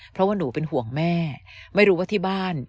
เพราะว่าหนูเป็นห่วงแม่ไม่รู้ว่าที่บ้าน